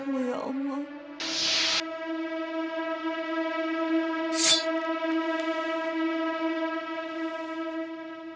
berilah petunjukku ya allah